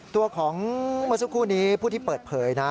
ตัวของเมื่อสักครู่นี้ผู้ที่เปิดเผยนะ